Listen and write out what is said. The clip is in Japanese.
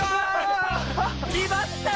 きまった！